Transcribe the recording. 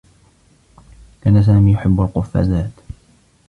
كان سامي يحبّ القفّازات.